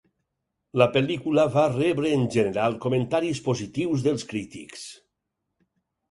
La pel·lícula va rebre en general comentaris positius dels crítics.